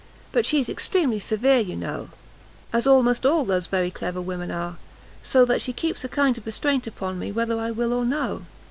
But she's extremely severe, you know, as almost all those very clever women are; so that she keeps a kind of restraint upon me whether I will or no.